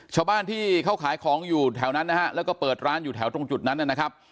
ชาวบ้านที่เขาขายของอยู่แถวนั้นนะฮะแล้วก็เปิดร้านอยู่แถวตรงจุดนั้นนะครับ